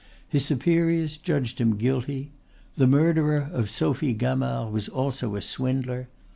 His superiors judged him guilty. The murderer of Sophie Gamard was also a swindler.